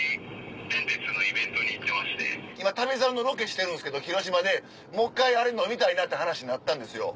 今『旅猿』のロケしてるんですけど広島でもう一回あれ飲みたいなって話になったんですよ。